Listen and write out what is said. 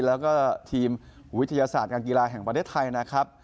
แล้วก็ทีมวิทยาศาสตร์การกีฬาแห่งประเทศไทยนะครับ